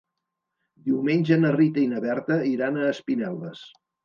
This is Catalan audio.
Diumenge na Rita i na Berta iran a Espinelves.